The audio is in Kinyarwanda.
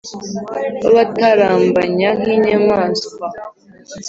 babatarambanya nk’inyamaswa